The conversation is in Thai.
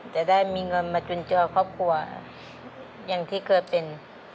แต่ได้มีเงินมาจุนเจือครอบครัวอย่างที่เคยเป็น